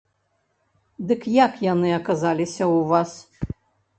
Дык як яны аказаліся ў вас?